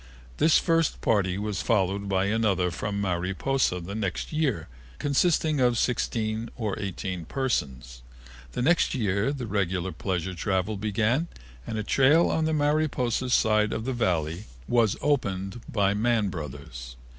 This first party was followed by another from Mariposa the same year, consisting of sixteen or eighteen persons. The next year the regular pleasure travel began and a trail on the Mariposa side of the Valley was opened by Mann Brothers.